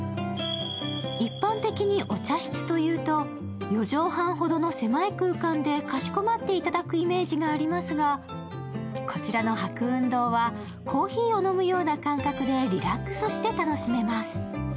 一般的にお茶室というと４畳半ほどの狭い空間でかしこまって頂くイメージがありますが、こちらの白雲洞はコーヒーを飲むような感覚でリラックスして楽しめます。